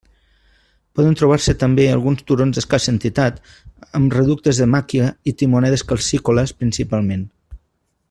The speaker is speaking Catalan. Poden trobar-se també alguns turons d'escassa entitat amb reductes de màquia i timonedes calcícoles principalment.